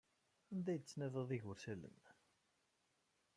Anda ay d-tettnadiḍ igersalen?